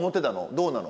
どうなの？